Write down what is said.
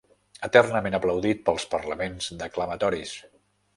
Eternament aplaudit pels parlaments declamatoris